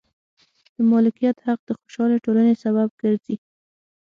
د مالکیت حق د خوشحالې ټولنې سبب ګرځي.